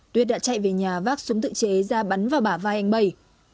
tuyết đã chạy về nhà vác súng tự chế ra bắn vào bà vai anh bảy